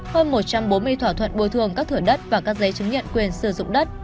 hơn một trăm bốn mươi thỏa thuận bồi thường các thửa đất và các giấy chứng nhận quyền sử dụng đất